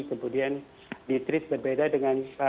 kemudian di tris berbeda dengan